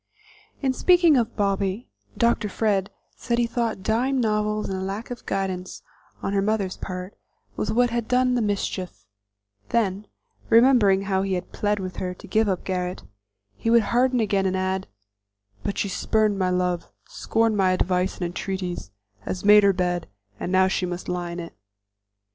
In speaking of Bobby, Dr. Fred said he thought dime novels and lack of guidance on her mother's part was what had done the mischief; then, remembering how he had plead with her to give up Garret, he would harden again and add: "But she spurned my love, scorned my advice and entreaties, has made her bed, and now she must lie in it."